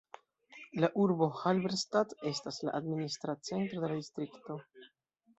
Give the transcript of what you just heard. La urbo Halberstadt estas la administra centro de la distrikto.